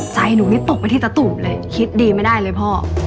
ใจหนูนี่ตกไปที่ตะตุ่มเลยคิดดีไม่ได้เลยพ่อ